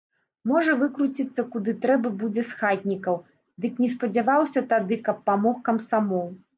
Можа выкруціцца куды трэба будзе з хатнікаў, дык не спадзяваўся тады, каб памог камсамол.